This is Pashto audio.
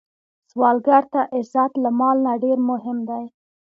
سوالګر ته عزت له مال نه ډېر مهم دی